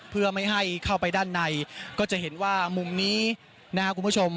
เพื่อไม่ให้เข้าไปด้านในก็จะเห็นว่ามุมนี้นะครับคุณผู้ชม